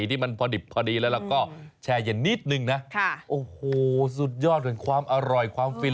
ที่มันพอดิบพอดีแล้วเราก็แช่เย็นนิดนึงนะโอ้โหสุดยอดของความอร่อยความฟิน